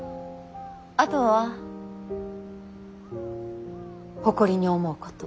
あとは誇りに思うこと。